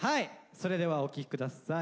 それではお聴き下さい。